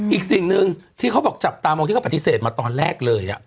อีกสิ่งหนึ่งที่เขาบอกจับตามองที่เขาปฏิเสธมาตอนแรกเลย